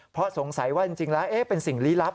เพราะสงสัยว่าจริงแล้วเป็นสิ่งลี้ลับ